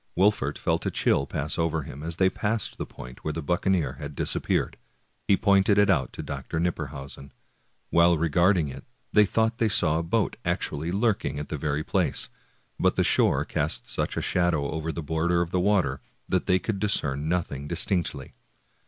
Wolfert felt a chill pass over him as they passed the point where the buccaneer had disap peared. He pointed it out to Dr. Knipperhausen. While regarding it they thought they saw a boat actually lurking at the very place; but the shore cast such a shadow over the border of the water that they could discern nothing dis tinctly.